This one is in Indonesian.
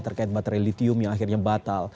terkait baterai litium yang akhirnya batal